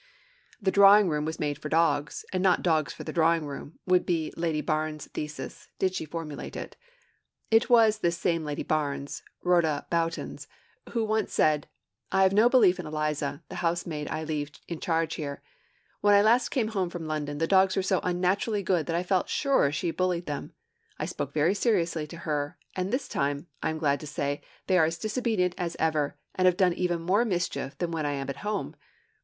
'The drawing room was made for dogs, and not dogs for the drawing room,' would be Lady Barnes's thesis, did she formulate it. It was this same Lady Barnes Rhoda Broughton's who once said, 'I have no belief in Eliza, the housemaid I leave in charge here. When last I came down from London the dogs were so unnaturally good that I felt sure she bullied them. I spoke very seriously to her, and this time, I am glad to say, they are as disobedient as ever, and have done even more mischief than when I am at home.'